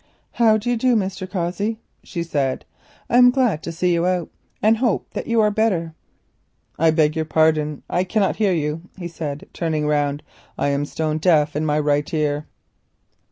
"How do you do, Mr. Cossey?" she said. "I am glad to see you out, and hope that you are better." "I beg your pardon, I cannot hear you," he said, turning round; "I am stone deaf in my right ear."